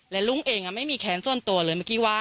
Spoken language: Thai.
และลุงเองไม่มีแค้นส่วนตัวเลยเมื่อกี้ว่า